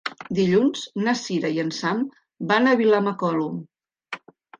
Dilluns na Cira i en Sam van a Vilamacolum.